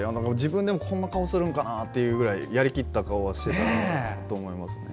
自分でもこんな顔するんかなというぐらいやりきった顔をしていると思います。